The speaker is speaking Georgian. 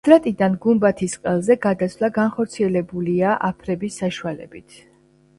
კვადრატიდან გუმბათის ყელზე გადასვლა განხორციელებულია აფრების საშუალებით.